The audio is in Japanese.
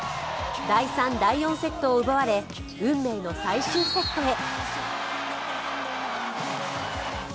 第３、第４セットを奪われ運命の最終セットへ。